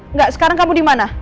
enggak sekarang kamu dimana